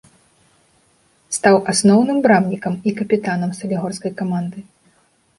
Стаў асноўным брамнікам і капітанам салігорскай каманды.